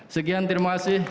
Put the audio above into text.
sekian terima kasih